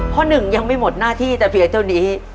หนึ่งยังไม่หมดหน้าที่แต่เพียงเท่านี้